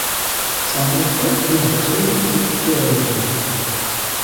Samloke li doktoriĝis pri teologio.